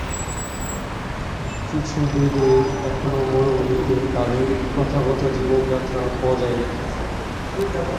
কিছু বেদুইন এখনও মরুভূমিতে তাদের প্রথাগত জীবনযাত্রা বজায় রেখেছে।